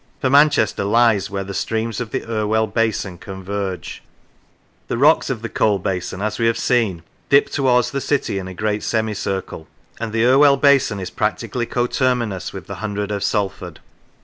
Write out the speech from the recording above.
For Manchester lies where the streams of the Irwell basin converge; the rocks of the coal basin, as we have seen, dip towards the city in a great semicircle; and the Irwell basin is practically coterminous with the hundred of Salford.